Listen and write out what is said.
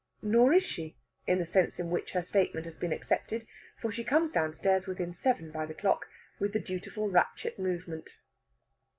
Nor is she, in the sense in which her statement has been accepted, for she comes downstairs within seven by the clock with the dutiful ratchet movement.